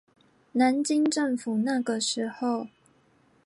南京政府那個時候